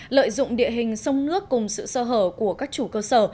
lợi dụng địa hình sông nước cùng sự sơ hở của các chủ cơ sở